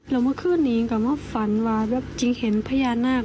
แล้วเมื่อคืนนี้ก็มาฝันว่าจริงเห็นพญานาค